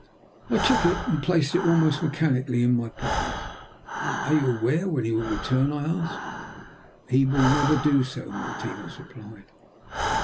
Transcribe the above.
I took it and placed it almost mechanically in my pocket. "Are you aware when he will return?" I asked. "He will never do so," Martinos replied.